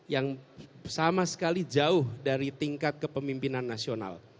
yang sama sekali jauh dari tingkat kepemimpinan nasional